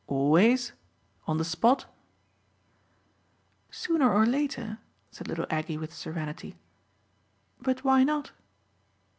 "Always? on the spot?" "Sooner or later," said little Aggie with serenity. "But why not?"